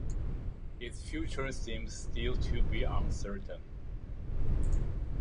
Its future seems still to be uncertain.